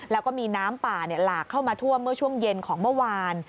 แล้วก็มีน้ำป่าหลากเข้ามาท่วมเมื่อช่วงเย็นของเมื่อวาน